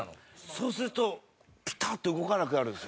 そうするとピタッと動かなくなるんです。